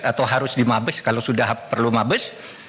atau harus dimabes kalau sudah perlu mabes